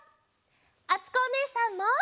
あつこおねえさんも！